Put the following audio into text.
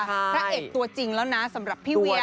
พระเอกตัวจริงแล้วนะสำหรับพี่เวีย